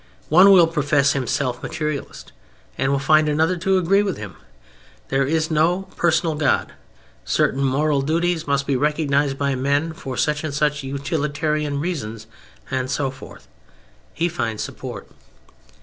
One will profess himself Materialist, and will find another to agree with him; there is no personal God, certain moral duties must be recognized by men for such and such utilitarian reasons, and so forth. He finds support.